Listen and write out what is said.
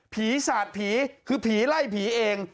ผีศาสตร์หัวผีคือผีไล่ผีเอง